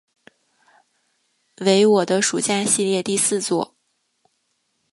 为我的暑假系列第四作。